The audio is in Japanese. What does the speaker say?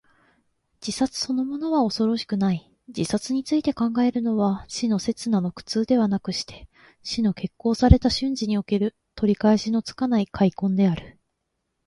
自殺そのものは恐ろしくない。自殺について考えるのは、死の刹那の苦痛ではなくして、死の決行された瞬時における、取り返しのつかない悔恨である。